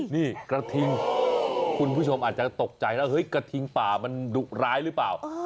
นี่กระทิงคุณผู้ชมอาจจะตกใจแล้วเฮ้ยกระทิงป่ามันดุร้ายหรือเปล่า